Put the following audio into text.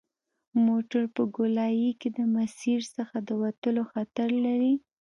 موټر په ګولایي کې د مسیر څخه د وتلو خطر لري